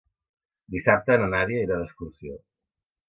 Dissabte na Nàdia irà d'excursió.